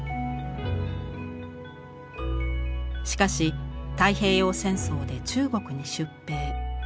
しかし太平洋戦争で中国に出兵。